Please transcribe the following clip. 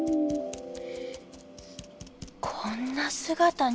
こんな姿に。